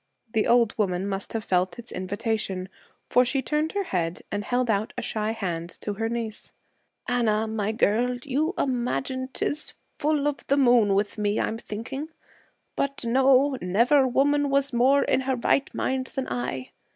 The old woman must have felt its invitation, for she turned her head and held out a shy hand to her niece. 'Anna, my girl, you imagine 'tis the full o' the moon with me, I'm thinking. But, no, never woman was more in her right mind than I.